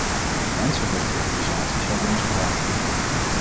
Mensenrechtenorganisaties hebben ons gewaarschuwd.